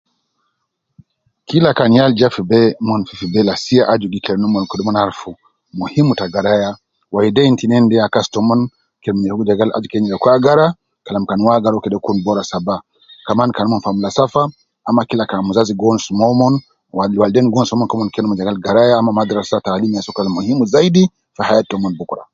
Kila kan yal ja fi bee mon fifi bee lasiya aju gikelem nomon kede mon arufu muhim ta garaya waleidein tinin deya kazi tomon kelem ne nyereku jegal aju kede nyereku agara kalam kan uwo agara kede uwo kun bora saaba, kaman kan omon fii amula safa, ama kila kan muzazi gi wonus momon, waleiwaleidein gi wonus momon, koomon kelem nomon jegal garaya au madrasa taalim ya sokol muhim zaidi fi haya toomon